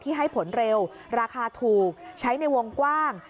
ให้ผลเร็วราคาถูกใช้ในวงกว้าง